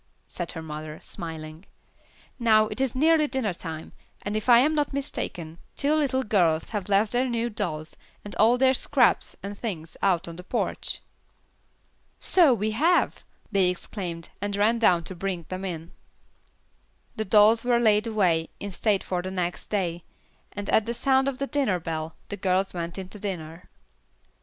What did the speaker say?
said her mother, smiling. "Now it is nearly dinner time, and if I am not mistaken, two little girls have left their new dolls, and all their scraps and things out on the porch." "So we have!" they exclaimed, and ran down to bring them in. The dolls were laid away in state for the next day, and at the sound of the dinner bell, the girls went into dinner.